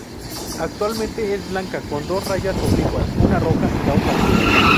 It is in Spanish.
Actualmente es blanca con dos rayas oblicuas, una roja y la otra azul.